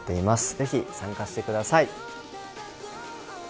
ぜひ参加してください。